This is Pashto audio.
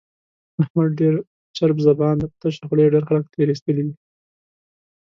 احمد ډېر چرب زبان دی، په تشه خوله یې ډېر خلک تېر ایستلي دي.